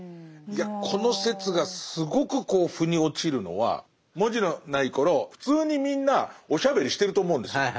いやこの説がすごくこう腑に落ちるのは文字のない頃普通にみんなおしゃべりしてると思うんですよ。